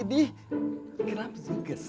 ini kenapa juga sih